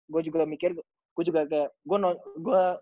gue juga mikir gue juga gak